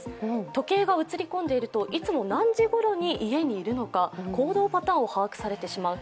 時計が映り込んでいるといつも何時ごろに家にいるのか、行動パターンを把握されてしまう。